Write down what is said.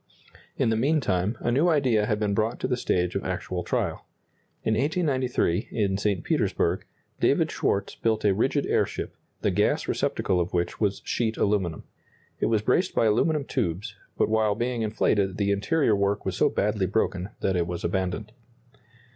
In the meantime, a new idea had been brought to the stage of actual trial. In 1893, in St. Petersburg, David Schwartz built a rigid airship, the gas receptacle of which was sheet aluminum. It was braced by aluminum tubes, but while being inflated the interior work was so badly broken that it was abandoned.